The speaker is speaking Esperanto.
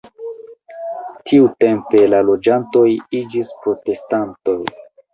Tiutempe la loĝantoj iĝis protestantoj.